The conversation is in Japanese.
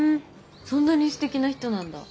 そんなにすてきな人なんだ